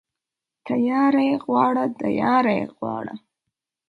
تياره يې غواړه ، د ياره يې غواړه.